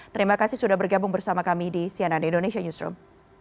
terima kasih sudah bergabung bersama kami di cnn indonesia newsroom